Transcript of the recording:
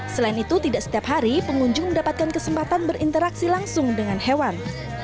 selain itu tidak setiap hari pengunjung mendapatkan kesempatan berinteraksi langsung dengan hewan